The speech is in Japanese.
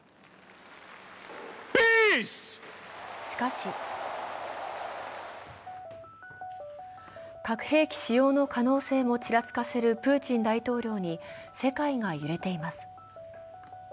しかし核兵器使用の可能性をちらつかせるプーチン大統領に世界が揺れています。